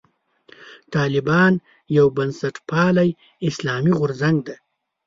طالبان یو بنسټپالی اسلامي غورځنګ دی.